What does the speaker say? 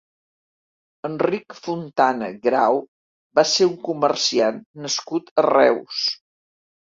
Enric Fontana Grau va ser un comerciant nascut a Reus.